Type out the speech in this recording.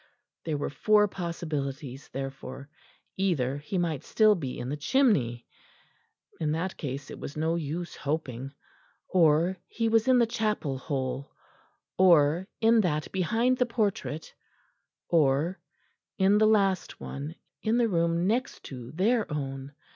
There were four possibilities, therefore: either he might still be in the chimney in that case it was no use hoping; or he was in the chapel hole; or in that behind the portrait; or in one last one, in the room next to their own.